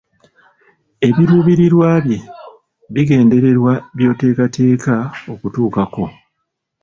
Ebiruubirirwa bye bigendererwa by'oteeketeeka okutuukako.